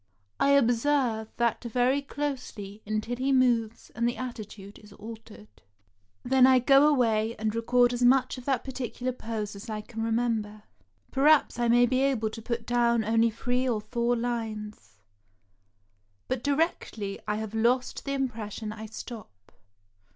I observe that very closely until he moves and the attitude is altered. Then I go 422 HOW A JAPANESE PAINTS away and record as much of that particular pose as I can remember. Perhaps I may be able to put down only three or four lines; but directly I have lost the impres sion I stop.